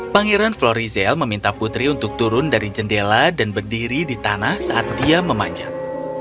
pangeran florizel meminta putri untuk turun dari jendela dan berdiri di tanah saat dia memanjat